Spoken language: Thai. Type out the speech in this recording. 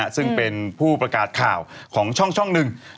ซึ่งเป็นผู้ประกาศข่าวของช่องหนึ่ง